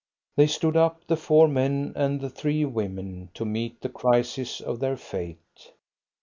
They stood up, the four men and the three women, to meet the crisis of their fate.